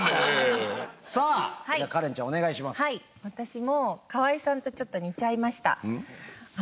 私も河合さんとちょっと似ちゃいました。